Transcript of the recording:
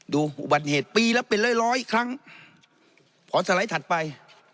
อุบัติเหตุปีละเป็นร้อยร้อยครั้งขอสไลด์ถัดไป